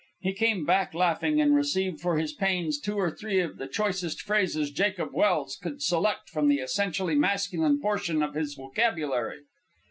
He came back laughing, and received for his pains two or three of the choicest phrases Jacob Welse could select from the essentially masculine portion of his vocabulary.